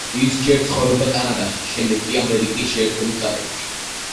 ის ჯერ ცხოვრობდა კანადაში, შემდეგ კი ამერიკის შეერთებულ შტატებში.